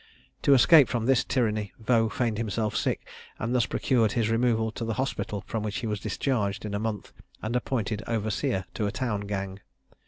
To escape from this tyranny Vaux feigned himself sick, and thus procured his removal to the hospital, from which he was discharged in a month, and appointed overseer to a town gang.